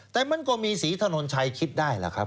แต่มันก็มีศรีถนนชัยคิดได้ล่ะครับ